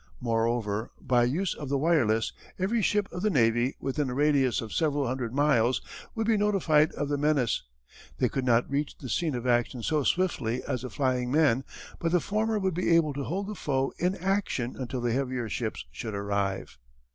Moreover, by use of the wireless, every ship of the Navy within a radius of several hundred miles would be notified of the menace. They could not reach the scene of action so swiftly as the flying men but the former would be able to hold the foe in action until the heavier ships should arrive.